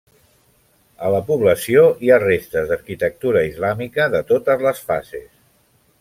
A la població hi ha restes d'arquitectura islàmica de totes les fases.